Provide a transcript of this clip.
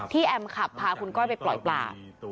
แอมขับพาคุณก้อยไปปล่อยปลา